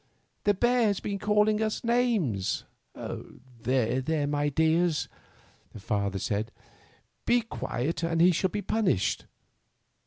The bear has been calling us names. " "There, there, my dears," their father said, "be quiet, and he shall be punished."